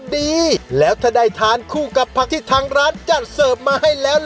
ดีแล้วถ้าได้ทานคู่กับผักที่ทางร้านจัดเสิร์ฟมาให้แล้ว